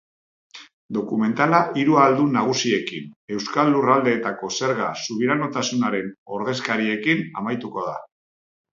Dokumentala hiru ahaldun nagusiekin, euskal lurraldeetako zerga subiranotasunaren ordezkariekin, amaituko da.